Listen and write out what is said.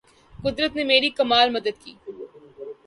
قدرت نے میری کمال مدد کی